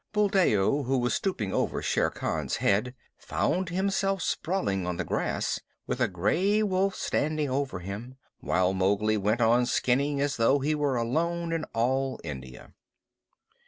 Buldeo, who was still stooping over Shere Khan's head, found himself sprawling on the grass, with a gray wolf standing over him, while Mowgli went on skinning as though he were alone in all India.